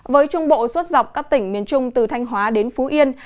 với trung bộ xuất dọc các tỉnh miền trung từ thanh hóa đến phú yên